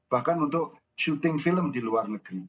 bahkan untuk syuting film di luar negeri